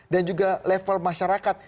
dan juga level masyarakat